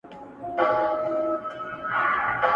سحر وختي بۀ يى قرضداري دروازه وهله,